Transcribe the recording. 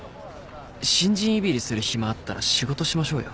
新人いびりする暇あったら仕事しましょうよ。